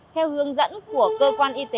theo hướng dẫn của cơ quan y tế